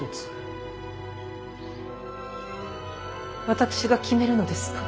私が決めるのですか？